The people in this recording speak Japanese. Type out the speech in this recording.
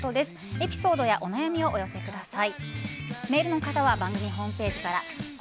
エピソードやお悩みをお寄せください。